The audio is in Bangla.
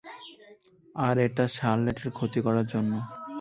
আর এটা শার্লেটের ক্ষতি করার জন্য।